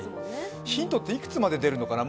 ヒントっていくつまで出るのかな。